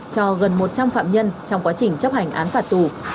cho gần một trăm linh phạm nhân trong quá trình chấp hành án phạt tù